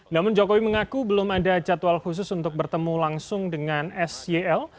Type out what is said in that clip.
namun jokowi mengaku belum ada jadwal khusus untuk bertemu langsung dengan syl